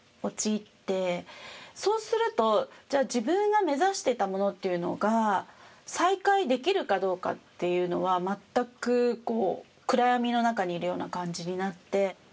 そうするとじゃあ自分が目指してたものっていうのが再開できるかどうかっていうのは全く暗闇の中にいるような感じになって。